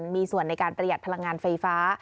มีส่วนในการประหยัดพลังงานไฟฟ้า